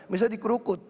misalnya di krukut